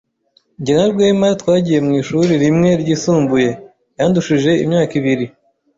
Jye na Rwema twagiye mu ishuri rimwe ryisumbuye. Yandushije imyaka ibiri.